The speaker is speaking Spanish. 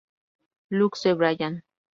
Lock" de Bryan.